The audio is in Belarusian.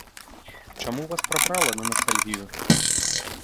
Чаму вас прабрала на настальгію?